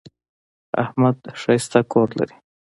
احمد ښایسته کور لري.